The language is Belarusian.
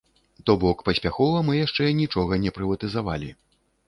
То бок, паспяхова мы яшчэ нічога не прыватызавалі.